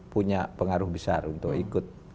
punya pengaruh besar untuk ikut